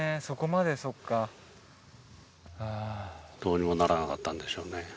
そこまでそっかどうにもならなかったんでしょうね